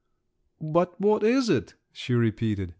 "But what is it?" she repeated.